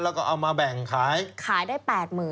แล้วก็เอามาแบ่งขายขายได้๘๐๐๐